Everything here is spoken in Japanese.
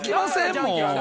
もう。